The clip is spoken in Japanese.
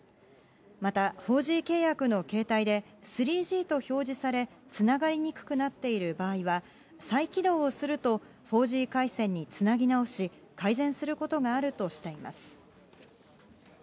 また、４Ｇ契約の携帯で、３Ｇと表示され、つながりにくくなっている場合は、再起動をすると４Ｇ回線につなぎ直し、改善することがあるとしています。